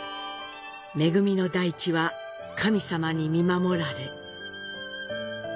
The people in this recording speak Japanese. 恵みの大地は神様に見守られ。